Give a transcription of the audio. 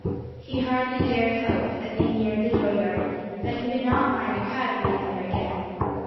He hardly dared hope, as he neared the dooryard, that he would not find a crowd waiting there again.